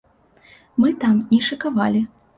Мы там не шыкавалі.